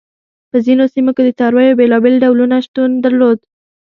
په ځینو سیمو کې د څارویو بېلابېل ډولونه شتون درلود.